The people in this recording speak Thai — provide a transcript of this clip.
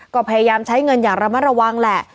ก็พยายามใช้เงินอย่างระมัดระวังแหละ